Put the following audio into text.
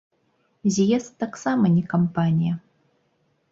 З'езд таксама не кампанія.